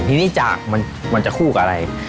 ทีนี้จากมันจะคู่กับอะไร